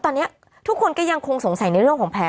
ตอนนี้ทุกคนก็ยังคงสงสัยในเรื่องของแผล